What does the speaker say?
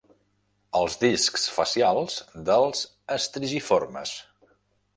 Els discs facials dels estrigiformes.